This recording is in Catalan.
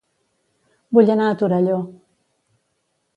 Vull anar a Torelló